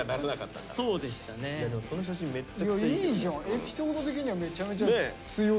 エピソード的にはめちゃめちゃ強い。